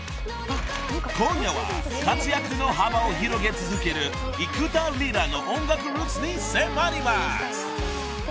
［今夜は活躍の幅を広げ続ける幾田りらの音楽ルーツに迫ります］